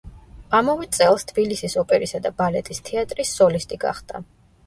ამავე წელს თბილისის ოპერისა და ბალეტის თეატრის სოლისტი გახდა.